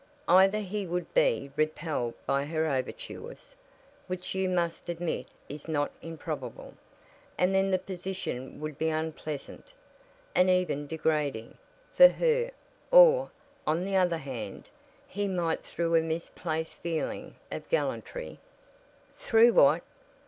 "Either he would be repelled by her overtures, which you must admit is not improbable, and then the position would be unpleasant, and even degrading, for her; or, on the other hand, he might, through a misplaced feeling of gallantry " "Through what?"